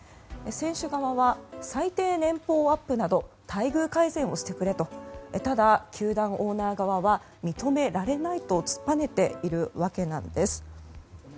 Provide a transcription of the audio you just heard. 選手側は最低年俸アップなど待遇改善をしてくれとただ、球団のオーナー側は認められないと突っぱねているわけなんです。